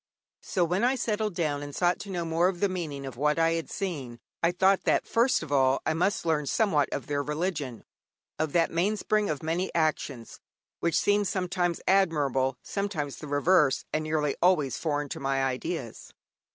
So when I settled down and sought to know more of the meaning of what I had seen, I thought that first of all I must learn somewhat of their religion, of that mainspring of many actions, which seemed sometimes admirable, sometimes the reverse, and nearly always foreign to my ideas.